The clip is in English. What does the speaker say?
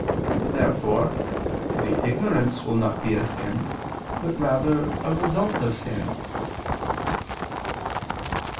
Therefore the ignorance will not be a sin, but rather a result of sin.